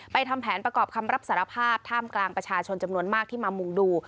ทำแผนประกอบคำรับสารภาพท่ามกลางประชาชนจำนวนมากที่มามุ่งดู